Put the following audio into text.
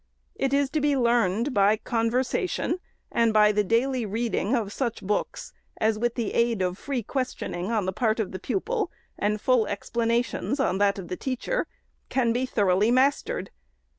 It is to be learned by conversation, and by the daily reading of such books, as with the aid of free questioning on the part of the pupil, and full explanations on that of the teacher, can be thoroughly mastered.